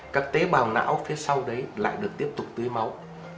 các tế bào não phía sau đấy lại được tiếp tục tưới máu